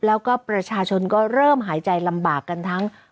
แล้วก็ประชาชนก็เริ่มหายใจลำบากกันทั้ง